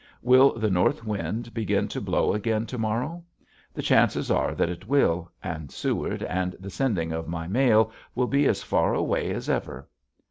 Will the north wind begin to blow again to morrow? The chances are that it will and Seward and the sending of my mail will be as far away as ever.